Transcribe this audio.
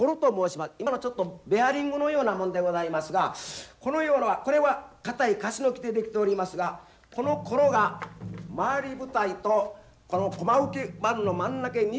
今のちょっとベアリングのようなものでございますがこのようなこれは堅いカシの木で出来ておりますがこのコロが回り舞台とこの駒受け板の真ん中に２４個入っております。